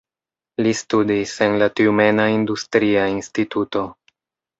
Li studis en la Tjumena Industria Instituto.